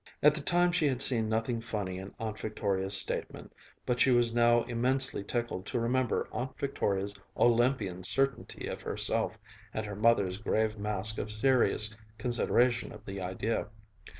At the time she had seen nothing funny in Aunt Victoria's statement, but she was now immensely tickled to remember Aunt Victoria's Olympian certainty of herself and her mother's grave mask of serious consideration of the idea.